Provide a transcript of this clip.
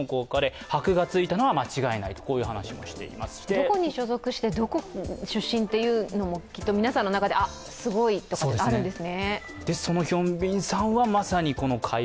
どこに所属してどこ出身というのもきっと皆さんの中で、あっ、すごいとかあるんですね。